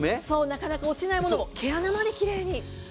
なかなか落ちないものも毛穴まで奇麗に。